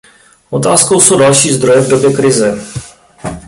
Otázkou jsou další zdroje v době krize.